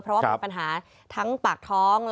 เพราะว่ามีปัญหาทั้งปากท้อง